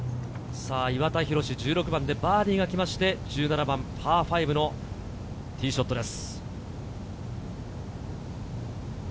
岩田寛、１６番でバーディーがきまして、１７番パー５のティーショットです。